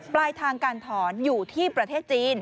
ปลายทางการถอนอยู่ที่ประเทศจีน